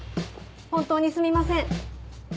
本当にすみません。